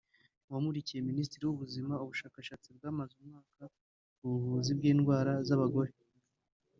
wamurikiye Minisiteri y’Ubuzima ubushakashatsi bwamaze umwaka ku buvuzi bw’indwara z’abagore